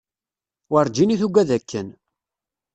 Werǧin i tugad akken.